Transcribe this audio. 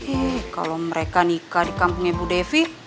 ih kalau mereka nikah di kampungnya bu devi